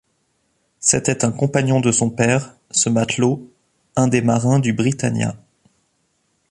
C’était un compagnon de son père, ce matelot, un des marins du Britannia!